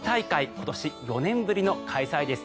今年４年ぶりの開催です。